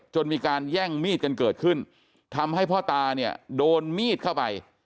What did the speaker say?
มีการแย่งมีดกันเกิดขึ้นทำให้พ่อตาเนี่ยโดนมีดเข้าไป